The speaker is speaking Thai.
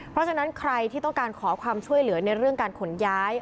เพราะฉะนั้นใครที่ต้องการขอความช่วยเหลือในเรื่องการขนย้าย